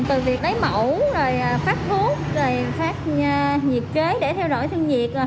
từ việc lấy mẫu phát thuốc phát nhiệt kế để theo dõi thương nhiệt